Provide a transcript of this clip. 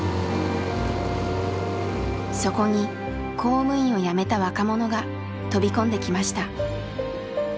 そこに公務員を辞めた若者が飛び込んできました。